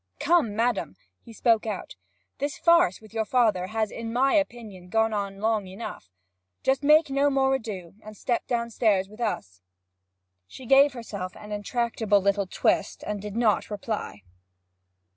'Come, madam!' he spoke out, 'this farce with your father has, in my opinion, gone on long enough. Just make no more ado, and step downstairs with us.' She gave herself an intractable little twist, and did not reply.